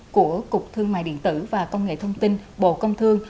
của cục thương mại điện tử và công nghệ thông tin bộ công thương